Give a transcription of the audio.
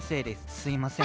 すいません！